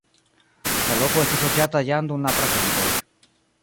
La loko estis loĝata jam dum la pratempoj.